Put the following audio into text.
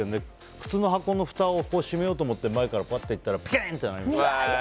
普通の箱のふたを閉めようとして前からいったらピンっとなりました。